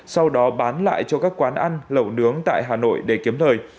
sau đó bán lại cho các quán ăn lẩu nướng tại hà nội để kiếm lời